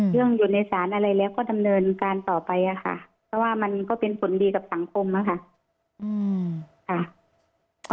อยู่ในศาลอะไรแล้วก็ดำเนินการต่อไปค่ะเพราะว่ามันก็เป็นผลดีกับสังคมนะคะ